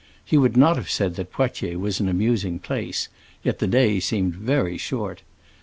He would not have said that Poitiers was an amusing place; yet the day seemed very short.